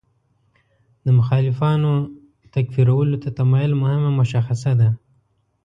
د مخالفانو تکفیرولو ته تمایل مهم مشخصه ده.